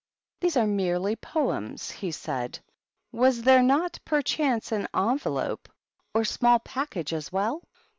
"These are merely poems," he said. "Was there not, perchance, an envelope or small package as well?"